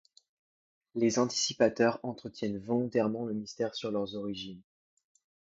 Les Anticipateurs entretiennent volontairement le mystère sur leurs origines.